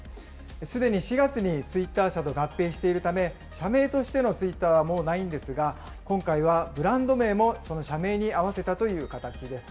すでに４月にツイッター社と合併しているため、社名としてのツイッターはもうないんですが、今回はブランド名もその社名に合わせたという形です。